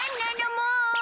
もう。